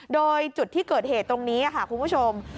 โดยจุดที่เกิดเหตุตรงนี้ค่ะคุณผู้ชม